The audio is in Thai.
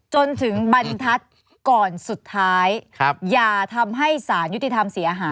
จนถึงบรรทัศน์ก่อนสุดท้ายอย่าทำให้สารยุติธรรมเสียหาย